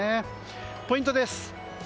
ポイントです。